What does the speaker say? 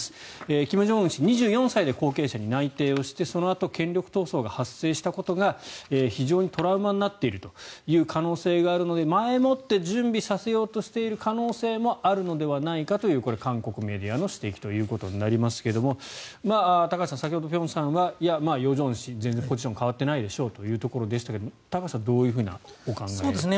金正恩氏２４歳で後継者に内定をしてそのあと権力闘争が発生したことが非常にトラウマになっているという可能性があるので前もって準備させようとしている可能性もあるのではないかという韓国メディアの指摘ということになりますが高橋さん、先ほど辺さんは与正氏全然ポジションは変わってないでしょうということでしたが高橋さんはどういうお考えですか。